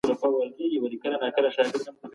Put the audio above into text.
انسانان په یوازې ځان ژوند نسي کولای.